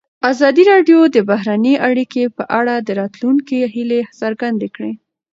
ازادي راډیو د بهرنۍ اړیکې په اړه د راتلونکي هیلې څرګندې کړې.